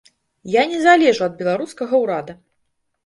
Я не залежу ад беларускага ўрада.